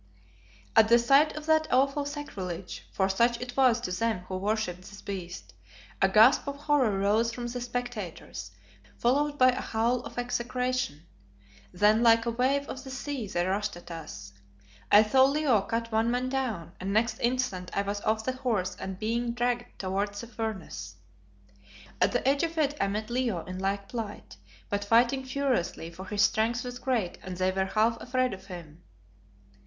At the sight of that awful sacrilege for such it was to them who worshipped this beast a gasp of horror rose from the spectators, followed by a howl of execration. Then like a wave of the sea they rushed at us. I saw Leo cut one man down, and next instant I was off the horse and being dragged towards the furnace. At the edge of it I met Leo in like plight, but fighting furiously, for his strength was great and they were half afraid of him.